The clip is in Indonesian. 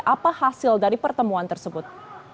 apa hasil dari pertemuan tersebut